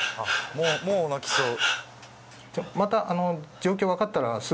もうもう泣きそう